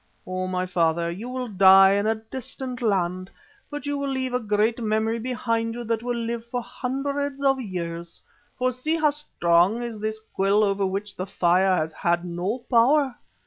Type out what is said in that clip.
O, my father, you will die in a distant land, but you will leave a great memory behind you that will live for hundreds of years, for see how strong is this quill over which the fire has had no power.